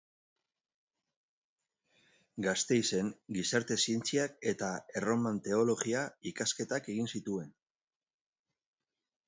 Gasteizen Gizarte zientziak eta Erroman Teologia ikasketak egin zituen.